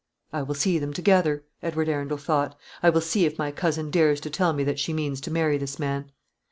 "I will see them together," Edward Arundel thought. "I will see if my cousin dares to tell me that she means to marry this man."